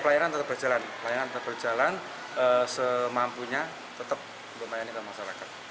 pelayanan tetap berjalan semampunya tetap memayani oleh masyarakat